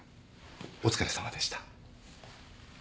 お疲れさまでした。